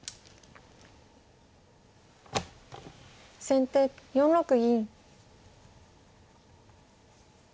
先手４六銀。